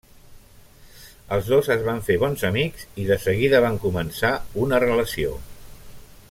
Els dos es van fer bons amics i de seguida van començar una relació.